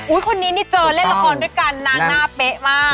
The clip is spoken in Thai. คนนี้นี่เจอเล่นละครด้วยกันนางหน้าเป๊ะมาก